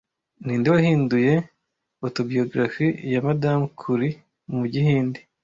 Ninde wahinduye Autobiography ya Madam Curie mu gihindi